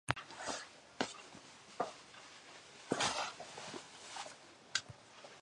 He was an All-Big Ten selection and four-year starter at Penn State University.